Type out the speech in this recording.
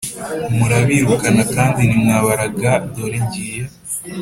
Murabirukana kandi ntimwabas raga dore ngiye